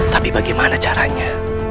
tapi bagaimana caranya